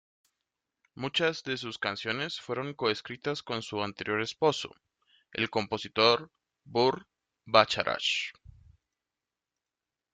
Muchas de sus canciones fueron co-escritas con su anterior esposo, el compositor Burt Bacharach.